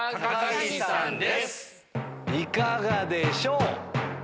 いかがでしょう？